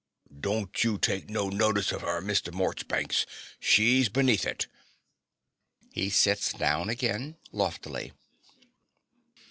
Don't you take no notice of her, Mr. Morchbanks. She's beneath it. (He sits down again loftily.)